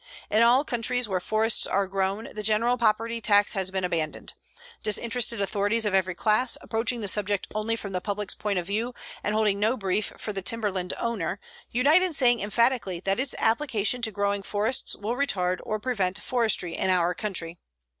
In all countries where forests are grown the general property tax has been abandoned. Disinterested authorities of every class, approaching the subject only from the public's point of view and holding no brief for the timberland owner, unite in saying emphatically that its application to growing forests will retard or prevent forestry in our country.